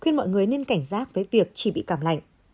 khuyên mọi người nên cảnh giác với việc chỉ bị cảm lạnh